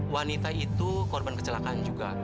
wanita itu korban kecelakaan juga